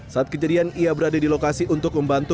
saat kejadian ia berada di lokasi untuk membantu